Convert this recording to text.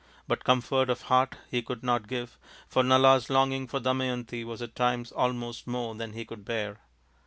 But comfort of heart he could not give, for Nala's longing for Damayanti was at times almost more than he could bear.